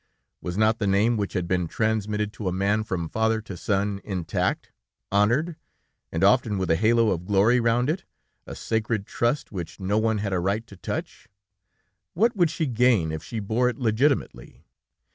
Was not the name which had been transmitted to a man from father to son, intact, honored, and often with a halo of glory round it, a sacred trust which no one had a right to touch? What would she gain if she bore it legitimately?